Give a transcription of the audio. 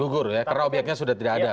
karena obyeknya sudah tidak ada